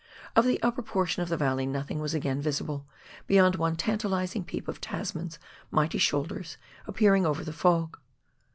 Of the upper portion of the valley nothing was again visible, beyond one tantalizing peep of Tasman's mighty shoulders appearing over the fog.